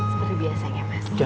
seperti biasanya mas